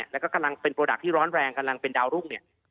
แล้วก็กำลังเป็นโปรดักต์ที่ร้อนแรงกำลังเป็นดาวรุ่งเนี่ย